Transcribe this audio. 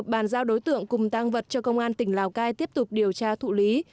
bàn giao đối tượng cùng tăng vật cho công an tỉnh lào cai tiếp tục điều tra thụ lý